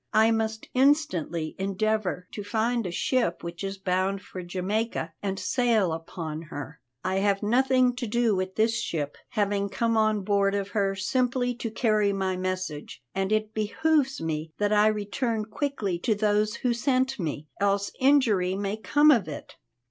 I must instantly endeavour to find a ship which is bound for Jamaica and sail upon her. I have nothing to do with this ship, having come on board of her simply to carry my message, and it behooves me that I return quickly to those who sent me, else injury may come of it."